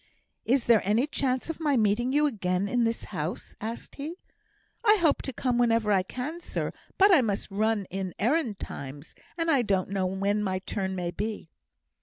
"Is there any chance of my meeting you again in this house?" asked he. "I hope to come whenever I can, sir; but I must run in errand times, and I don't know when my turn may be."